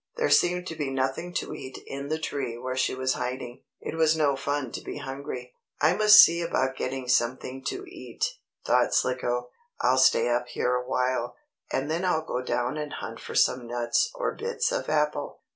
There seemed to be nothing to eat in the tree where she was hiding. It was no fun to be hungry. "I must see about getting something to eat," thought Slicko. "I'll stay up here awhile, and then I'll go down and hunt for some nuts or bits of apple.